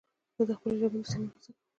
زه د خپلې ژبې د سمون هڅه کوم